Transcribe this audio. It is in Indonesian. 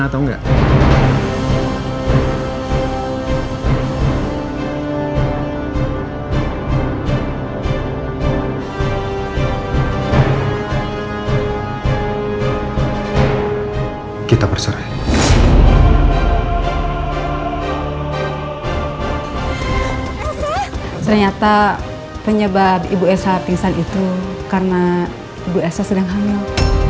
ternyata penyebab ibu elsa pingsan itu karena ibu elsa sedang hamil